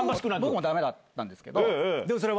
僕もダメだったんですけど。